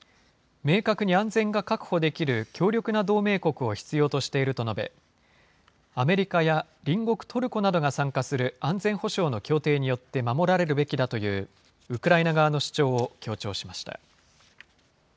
明確に安全が確保できる強力な同盟国を必要としていると述べ、アメリカや隣国トルコなどが参加する安全保障の協定によって守られるべきだという、ウクライナ側の主張を強調しました。